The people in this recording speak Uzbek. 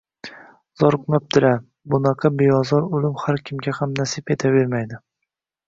zoriqmabdilar... Bunaqa beozor o'lim har kimga ham nasib etavermaydi.